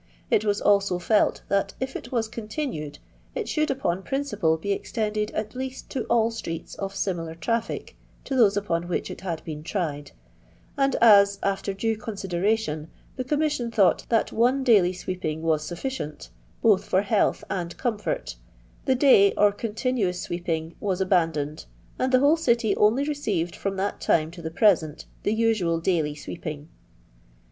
It was also felt that, if it was conti nued, It should upon principle be extended at least to all streets of similar traffic to those upon which it had been tried ; and as, after due consideration, the Commission thought that one daily sweeping was sufficient, both for health and comfort, the day or continuous sweeping was abandoned, and the whole City only received, from that time to the present, the usual daily sweeping."